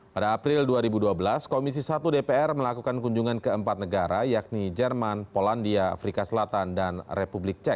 pada april dua ribu dua belas komisi satu dpr melakukan kunjungan ke empat negara yakni jerman polandia afrika selatan dan republik cek